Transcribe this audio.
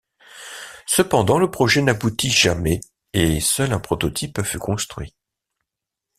Cependant, le projet n’aboutit jamais et seul un prototype fut construit.